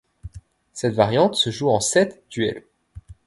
Cette variante se joue en sept duels.